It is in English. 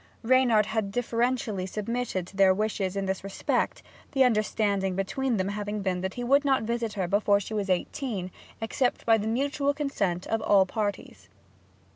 Reynard had deferentially submitted to their wishes in this respect, the understanding between them having been that he would not visit her before she was eighteen, except by the mutual consent of all parties.